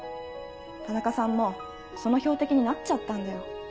田中さんもその標的になっちゃったんだよ。